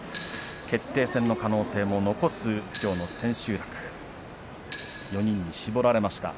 決定戦の可能性も残すきょうの千秋楽４人に絞られました。